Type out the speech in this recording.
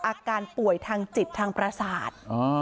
อาการป่วยทางจิตทางประสาท